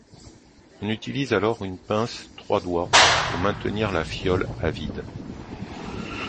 On utilise alors une pince trois doigts pour maintenir la fiole à vide.